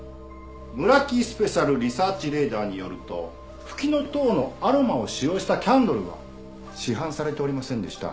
村木スペシャルリサーチレーダーによるとふきのとうのアロマを使用したキャンドルは市販されておりませんでした。